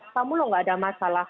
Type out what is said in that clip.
kamulah nggak ada masalah